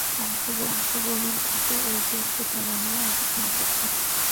অংশগ্রহণকৃত ঐ টেস্টে তিনি শূন্য রানে আউট হন।